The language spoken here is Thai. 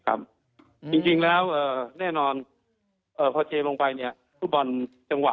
จริงจริงแล้วเอ่อแน่นอนเอ่อพอเจลงไปเนี่ยฟุตบอลจังหวะ